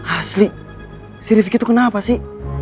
asli si rifki tuh kenapa sih